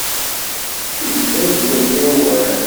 Yebda-d yagi awal.